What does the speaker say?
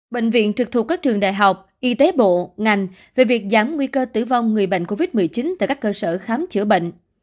bệnh viện trực thuộc các trường đại học y tế bộ ngành về việc giảm nguy cơ tử vong người bệnh covid một mươi chín tại các cơ sở khám chữa bệnh